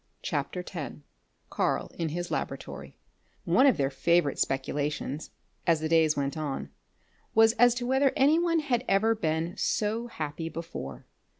CHAPTER X KARL IN HIS LABORATORY One of their favourite speculations, as the days went on, was as to whether any one had ever been so happy before.